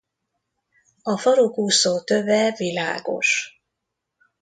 A farokúszó töve világos.